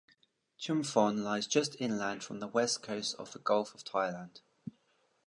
Chumphon lies just inland from the west coast of the Gulf of Thailand.